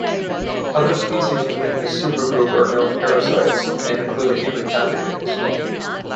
Other species within this supergroup are known parasites, and include human pathogens.